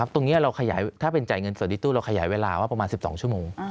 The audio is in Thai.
ตรงนี้เราขยายถ้าเป็นจ่ายเงินส่วนที่ตู้เราขยายเวลาว่าประมาณ๑๒ชั่วโมง